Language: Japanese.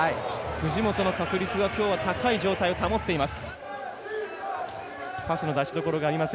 藤本の確率はきょうは高い状態を保っています。